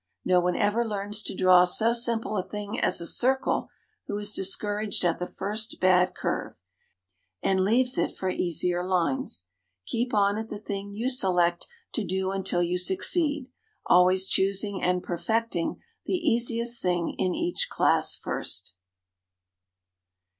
No one ever learns to draw so simple a thing as a circle who is discouraged at the first bad curve, and leaves it for easier lines. Keep on at the thing you select to do until you succeed, always choosing and perfecting the easiest thing in each class first.